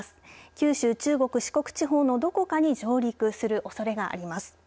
九州、中国、四国地方のどこかに上陸するおそれがあります。